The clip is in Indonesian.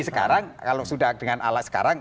sekarang kalau sudah dengan alat sekarang